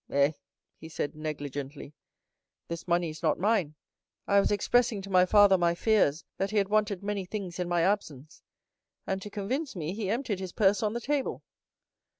"Eh," he said, negligently, "this money is not mine. I was expressing to my father my fears that he had wanted many things in my absence, and to convince me he emptied his purse on the table.